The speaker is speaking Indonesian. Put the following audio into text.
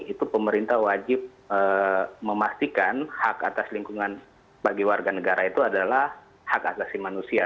itu pemerintah wajib memastikan hak atas lingkungan bagi warga negara itu adalah hak asasi manusia